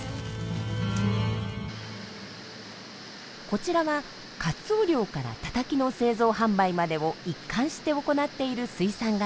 こちらはカツオ漁からたたきの製造・販売までを一貫して行っている水産会社。